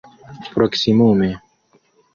proksimume